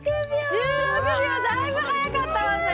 １６秒だいぶはやかったわね。